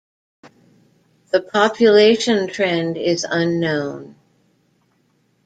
The population trend is unknown.